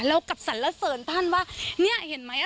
เรากลับสรรและเสริญท่านว่านี่เห็นไหม